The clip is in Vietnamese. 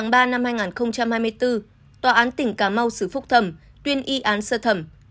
ngày một mươi chín và hai mươi tháng ba năm hai nghìn hai mươi bốn tòa án tỉnh cà mau xử phúc thẩm tuyên y án sơ thẩm